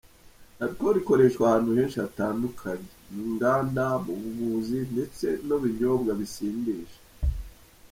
Alcool ikoreshwa ahantu henshi hatandukanye: Mu nganda, mu buvuzi ndetse no mu binyobwa bisindisha.